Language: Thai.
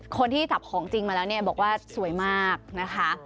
คนที่จับของจริงมาแล้วเนี่ยบอกว่าสวยมากนะคะ